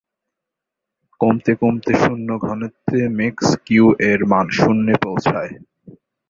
কমতে কমতে শুন্য ঘনত্বে ম্যাক্স কিউ এর মান শূন্যে পৌছায়।